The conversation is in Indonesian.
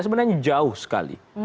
sebenarnya jauh sekali